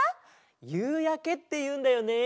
「ゆうやけ」っていうんだよね。